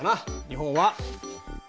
日本は。